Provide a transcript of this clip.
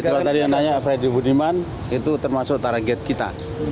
tadi yang tanya freddy budiman itu termasuk target kita